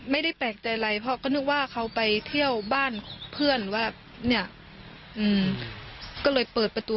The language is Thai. ไม่ได้แปลกใจอะไรเพราะก็นึกว่าเขาไปเที่ยวบ้านเพื่อนว่าเนี่ยก็เลยเปิดประตู